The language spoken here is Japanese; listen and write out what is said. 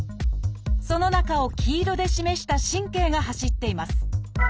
その中を黄色で示した神経が走っています。